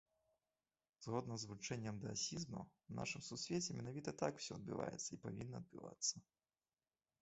Згодна з вучэннем даасізма, у нашым сусвеце менавіта так усё адбываецца і павінна адбывацца.